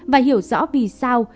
và hiểu rõ vì sao